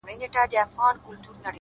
زما مرور فکر به څه لفظونه وشرنگوي _